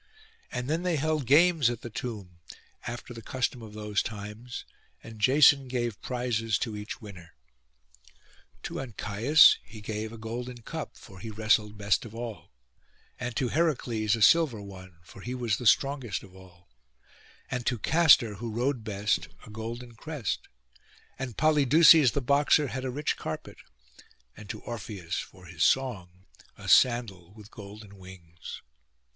And then they held games at the tomb, after the custom of those times, and Jason gave prizes to each winner. To Ancæus he gave a golden cup, for he wrestled best of all; and to Heracles a silver one, for he was the strongest of all; and to Castor, who rode best, a golden crest; and Polydeuces the boxer had a rich carpet, and to Orpheus for his song a sandal with golden wings.